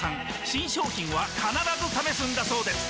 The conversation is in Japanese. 新商品は必ず試すんだそうです